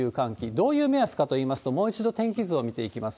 どういう目安かといいますと、もう一度天気図を見ていきます。